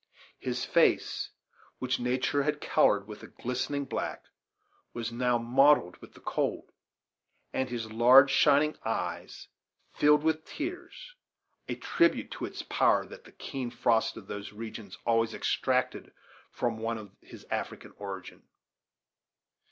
His face, which nature had colored with a glistening black, was now mottled with the cold, and his large shining eyes filled with tears; a tribute to its power that the keen frosts of those regions always extracted from one of his African origin.